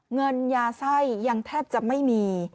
เงินยาไส้ยังแทบจะไม่มี